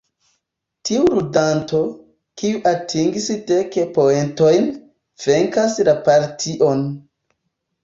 Tiu ludanto, kiu atingis dek poentojn, venkas la partion.